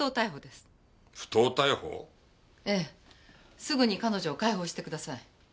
すぐに彼女を解放してください。